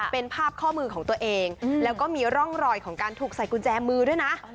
เป็นภาพข้อมือของตัวเองแล้วก็มีร่องรอยของการถูกใส่กุญแจมือด้วยนะ